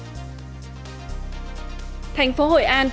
số doanh nghiệp thành lập mới năm hai nghìn một mươi bảy tăng kỷ lục